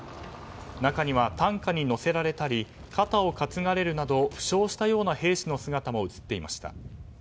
中には担架に乗せられたり肩を担がれるなど負傷したような兵士の姿も映っていました。